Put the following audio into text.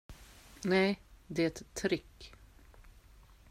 Nej, det är ett trick.